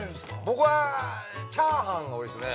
◆僕はチャーハンが多いですね。